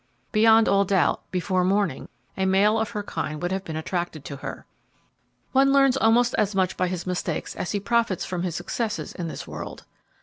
Beyond all doubt, before morning, a male of her kind would have been attracted to her. One learns almost as much by his mistakes as he profits by his successes in this world.